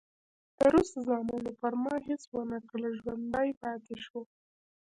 د روس زامنو پر ما هېڅ ونه کړل، ژوندی پاتې شوم.